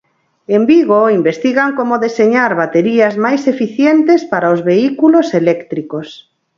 En Vigo investigan como deseñar baterías máis eficientes para os vehículos eléctricos.